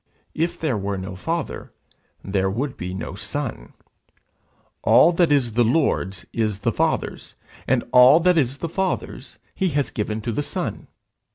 If there were no Father, there would be no Son. All that is the Lord's is the Father's, and all that is the Father's he has given to the Son.